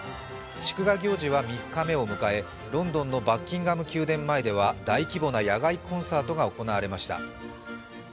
祝賀行事は３日目を迎えロンドンのバッキンガム宮殿前では大規模な野外コンサートが行われました。